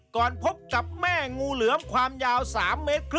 พบกับแม่งูเหลือมความยาว๓เมตร